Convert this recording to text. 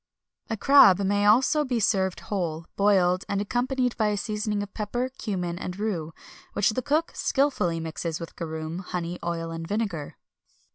A crab may also be served whole, boiled, and accompanied by a seasoning of pepper, cummin, and rue, which the cook skilfully mixes with garum, honey, oil, and vinegar.